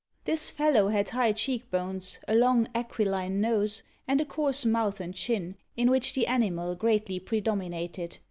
This fellow had high cheek bones, a long aquiline nose, and a coarse mouth and chin, in which the animal greatly predominated.